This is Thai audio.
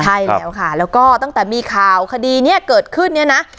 ใช่แล้วค่ะแล้วก็ตั้งแต่มีข่าวคดีนี้เกิดขึ้นเนี่ยนะ